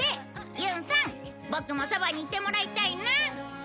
結音さんボクもそばにいてもらいたいな